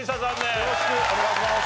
よろしくお願いします。